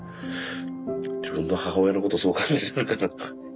自分の母親のことそう感じるのかな。